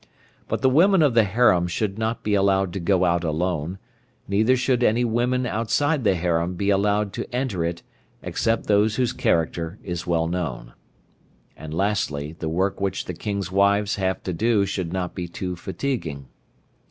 But the women of the harem should not be allowed to go out alone, neither should any women outside the harem be allowed to enter it except those whose character is well known. And lastly the work which the King's wives have to do should not be too fatiguing.